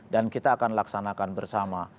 dan kita akan laksanakan bersama